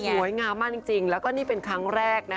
สวยงามมากจริงแล้วก็นี่เป็นครั้งแรกนะคะ